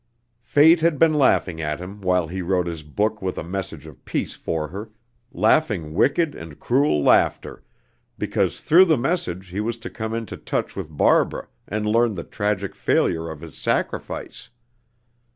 Fate had been laughing at him while he wrote his book with a message of peace for her, laughing wicked and cruel laughter, because through the message he was to come into touch with Barbara and learn the tragic failure of his sacrifice.